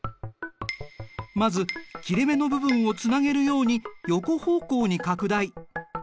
まず切れ目の部分をつなげるように横方向に拡大。